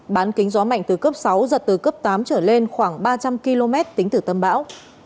bán kính gió mạnh từ cấp sáu giật từ cấp tám trở lên khoảng ba trăm linh km tính từ tâm bão